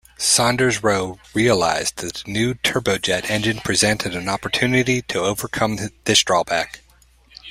Saunders-Roe realised that the new turbojet engine presented an opportunity to overcome this drawback.